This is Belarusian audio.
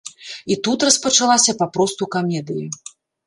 І тут распачалася папросту камедыя.